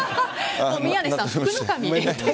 宮根さん、福の神。